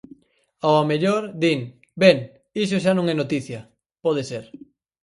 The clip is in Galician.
Ao mellor, din: ben, iso xa non é noticia, pode ser.